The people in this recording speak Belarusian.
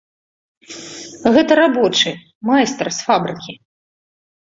Гэта рабочы, майстар з фабрыкі.